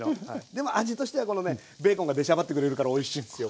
でも味としてはこのねベーコンが出しゃばってくれるからおいしいんですよこれ。